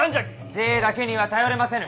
税だけには頼れませぬ。